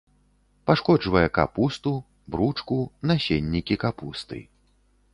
Пашкоджвае капусту, бручку, насеннікі капусты.